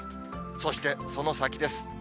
そして、その先です。